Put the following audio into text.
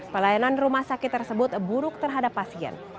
pelayanan rumah sakit tersebut buruk terhadap pasien